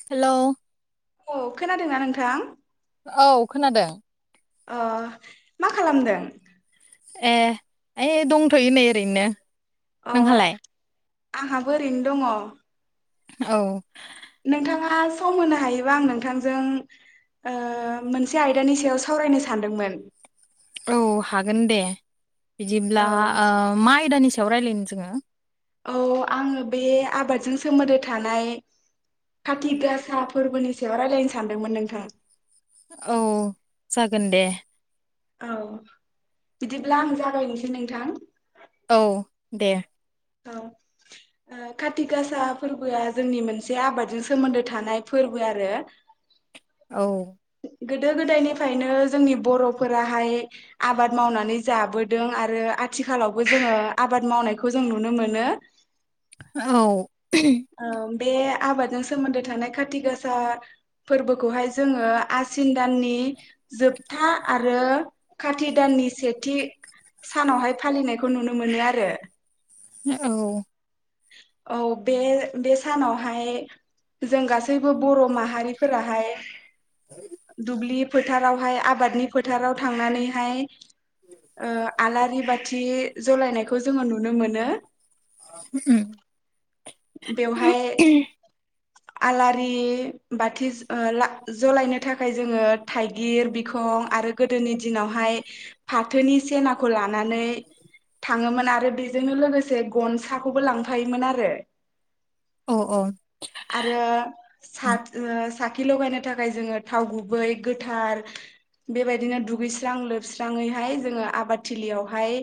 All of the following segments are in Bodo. हेल' अ खोनादोंना नोंथां? औ खोनादों अ मा खालामदों? ए ओइ दंथ'यो नै ओरैनो अ नोंहालाय आंहा बो ओरैनो दङ औ नोंथाङा सम होनो हायोबा आं नोंथांजों ओ मोनसे आयदानि सायाव सावरायनो सानदोंमोन औ हागोन दे बिदिब्ला औ अ मा आयदानि सायाव रायलायनो जोङो औ आङो बे आबादजों सोमोन्दो थानाय खाथि गासा फोरबोनि सायाव रायजलायनो सानदोंमोन नोंथां औ जागोन दे औ बिदिब्ला आं जागायनोसै नोंथां औ दे औ ओ काति गासा फोरबोआ जोंनि मोनसे आबादजों सोमोन्दो थानाय फोरबो आरो औ गोदो गोदायनिफ्रायनो जोंनि बर'फोराहाय आबाद मावनानै जाबोदों आरो आथिखालावबो जोङो आबाद मावनायखौ जों नुनो मोनो। औ ओ बे आबादजों सोमोन्दो थानाय खाथि गासा फोरबोखौहाय जोङो आसिन दाननि जोबथा आरो खाति दाननि सेथि सानावहाय फालिनायखौ नुनो मोनो आरो औ औ बे बे सानावहाय जों गासैबो बर' माहारिफोराहाय दुब्लि फोथारावहाय आबादनि फोथाराव थांनानैहाय ओ आलारि बाथ थि जलायनायखौ जोङो नुनो मोनो। ओम बेवहाय आलारि बाथि अ ला जलायनो थाखाय जोङो थाइगिर बिखं आरो गोदोनि दिनावहाय फाथोनि सेनाखौ लानानै नै थाङोमोन आरो बेजोंनो लोगोसे गनसाखौबो लांफायोमोन आरो अ अ आरो सात सा थि लगायनो थाखाय जोङो थाव गुबै गोथार बेबायदिनो दुगैस्रां लोबस्राङैहाय जोङो आबादथिलियावहाय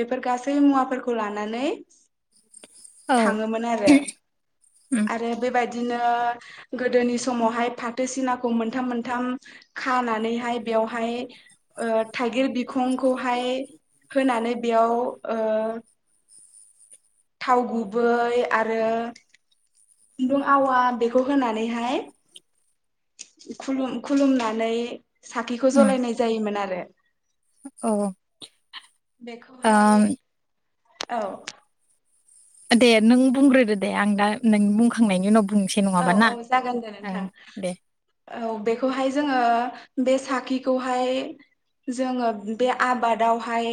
बेफोर गासै मुवाफोरखौ लानानै औ थाङोमोन आरो आरो बेबायदिनो गोदोनि समावहाय फाथोसिनाखौ मोनथाम मोनथाम खानानैहाय बेयावहाय अ थाइगिर बिखंखौहाय होनानै बेयाव अ थाव गुबै आरो खुन्दुं आवा बेखौ होनानैहाय खुलुम खुलुमनानै साखिखौ जलायनाय जायोमोन आरो। [inaudible] औ बेखौहाय आं औ दे नों बुंग्रोदो दे आं दा नों बुंखांनायनि उनाव बुं औ औ जागोन दे नोंथां दे औ बेखौहाय जोङो बे साखिखौहाय जोङो बे आबादावहाय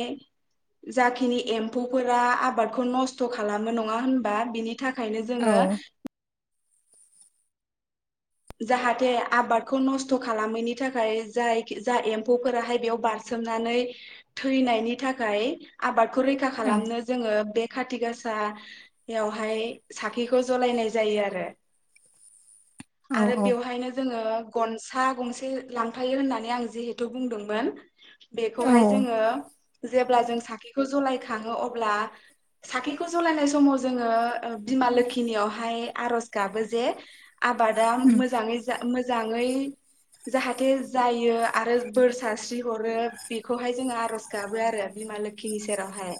जाखिनि एम्फौफोरा आबादखौ नस्थ' खालामो नङा होनबा बिनि थाखायनो औ जोङो जाहाथे आबादखौ नस्थ खालामैनि थाखाय जाय जा एम्फौफोराहाय बेयाव बारसोमनानै थैनायनि थाखाय आबाद खौ रैखा औ खालामनो जोङो बे खाथि गाासायावहाय साखैखौ जलायनाय जायो आरो औ आरो बेवहायनो जोङो गनसा गंसे लांफायो होननानै आं जिहेथु बुंदोंमोन बेखौहाय जोङो जेब्ला जों साखिखौ जलाय खाङो अब्ला साखिखौ जलायनाय समाव जोङो बिमा लोखिनियावहाय आरज गाबो जे आबादा मोजाङै मोजाङै जाहाथे जायो आरो बोर सारस्रि हरो बेखौहाय जोङो आरज गाबो आरो बिमा लोखिनि सेरावहाय।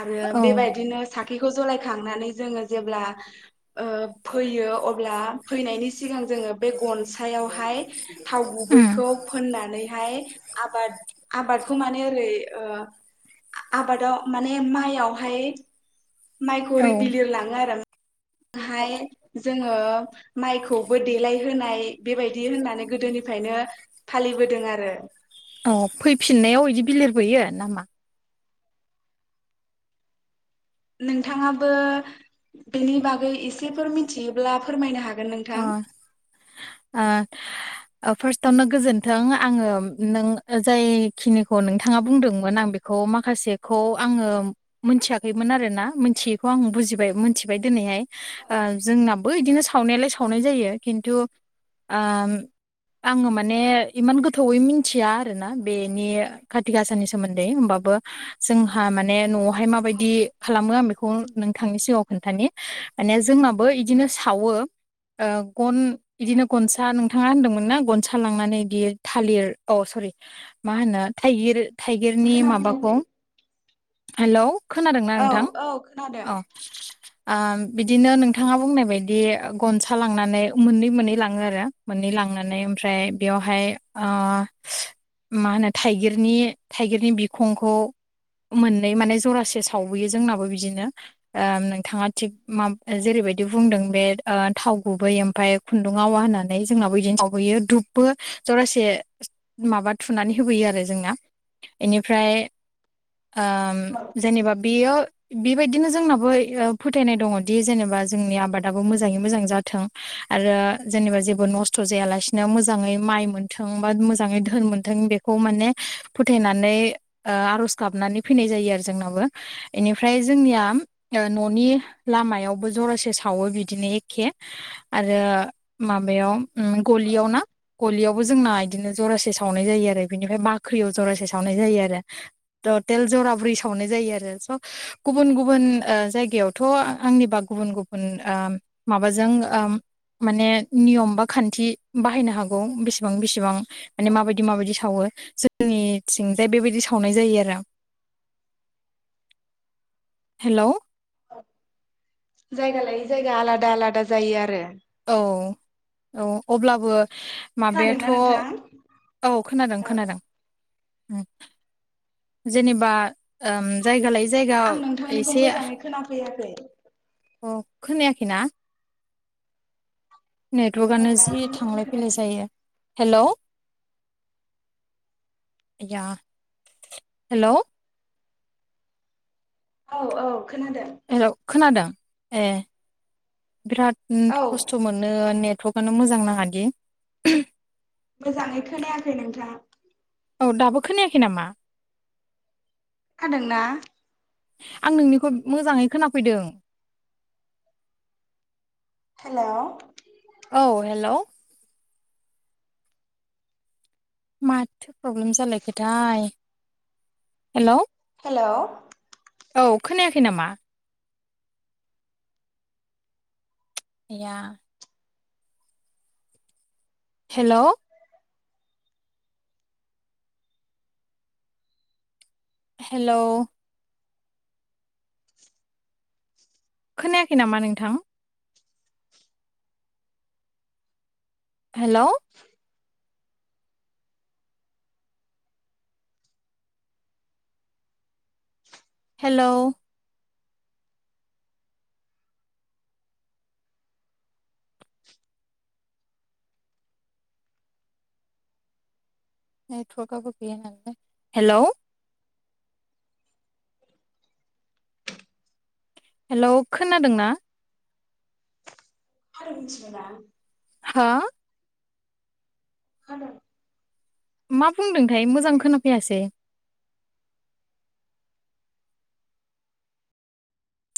आरो औ बेबायदिनो साखिखौ जलायखांनानै जोङो जेब्ला ओ फैयो अब्ला फैनायनि सिगां जोङो बे गनसायावहाय थाव गुबैखौ फोननानैहाय आबाद आबादखौ माने ओरै आबादाव माने माइयावहाय माइखौ औ ओरै बिलिर लाङो आरो। हाय जोङो माइखौबो देलायहोनाय बेबायदि होननानै गोदोनिफ्रायनो फालिबोदों आरो। अ फैफिननायाव इदि बिलिरबोयो नामा? नोंथाङाबो बेनि बागै एसेफोर मिथियोब्ला फोरमायनो हागोन अ नोंथां। फार्स्टआवनो गोजोनथों आङो नों जायखिनिखौ नोंथाङा बुंदोंमोन आं बेखौ माखासेखौ आङो मोनथियाखैमोन आरोना मिथियैखौ आं बुजिबाय मोनथिबाय दिनैहाय जोंनाबो बिदिनो सावनायालाय सावनाय जायो खिन्थु ओ आङो माने इमान गोथौयै मिथिया आरोना बेनि कारति गासानि सोमोन्दै होमबाबो जोंहा माने न'आवहाय माबायदि खालामो आं बेखौ नोंथांनि सिगाङाव खोन्थानि माने जोंनाबो इदिनो सावो गन बिदिनो गनसा नोंथाङा होनदोंमोन ना गनसा लांनानै बिदि थालिर औ सरि मा होनो थाइगिर थाइगिरनि माबाखौ खोनाफैयाखै हेलौ खोनादोंना औ नोंथां औ खोनादों औ आ बिदिनो नोंथाङा बुंनाय बायदि गनसा लांनानै मोननै मोनै मोनै लाङो आरो मोननै लांनानै ओमफ्राय बेयावहाय ओ मा होनो थाइगिरनि बिखंखौ मोननै माने जरासे सावबोयो जोंनो बिनो ओ नोंथाङा थिग जेरैबाय बे थाव गुबै ओमफाय खुन्दुं आवा होननानै जोंनाबो बिदिनो मावबोयो धुबबो जरासे माबा थुनानै होबोयो आरो जोंना इनिफ्राय जेनेबा बेयो बेबायदिनो जोंनाबो फोथायनाय दङदि जेनेबा जोंनि आबादाबो मोजाङै मोजां जाथों। आरो जेनेबा जेबो नस्थ' जायालासिनो मोजाङै माइ मोनथों बा मोजाङै धोन मोनथों बेखौ माने फोथायनानै आरज गाबनानै फैनाय जायो आरो जोंनाबो इनिफ्राय जोंनिया ननि लामायावबो जरासे सावो बिदिनो एखे आरो माबायाव गलियाव ना गलियावबो जोंना बिदिनो जरासे सावनाय जायो आरो बिनिफ्राय बाख्रियाव जरासे सावनाय जायो आरो टेल जराब्रै सावनाय जायो आरो स गुबुन गुबुन जायगायावथ आंनिबा गुबुन गुबुन ओ माबाजों माने नियम बा खान्थि बाहायनो हागौ बेसेबां बेसेबां माने माबायदि माबायदि सावो जोंनिथिंजाय बेबायदि सावनाय जायो। आरो हेलौ जायगा लायै जायगा आलादा आलादा जायो आरो। औ औ अब्लाबो माबायाथ खोनादोंना नोंथां औ खोनादों औ खोनादों। जेनेबा जायगा लाय आं नोंथांनिखौ मोजाङै खोनाफैयाख खै अ खोनायाखैना? औ नेटवर्कआनो दासो जि मोजां थांलाय फैलाय खोनादों जायो। हेलौ हेलौ औ औ खोनादों। हेल' खोनादों ए बिराद औ खस्थ मोनो नेट नेटवाकनो मोजां नाङा दि। मोजाङै खोनायाखै नोंथां। औ दाबो खोनायाखै नामा? खोनादोंना? आं नोंनिखौ मोजाङै खोनाफैदों। हेलौ औ हेल'। माथो। प्रब्लेम जालायखोथाय। Hello hello. औ खोनायाखै नामा? आया हेलौ हेलौ खोनायाखै नामा नोंथां। हेलौ [inaudible] हेलौ नेटवाराबो गैया नालाय हेलौ हेलौ खोनादोंना [unintelligible] हो खोनादों मा बुंदोंथाय मोजां खोनाफैयासै